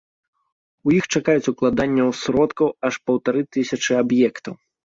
У іх чакаюць укладанняў сродкаў аж паўтары тысячы аб'ектаў.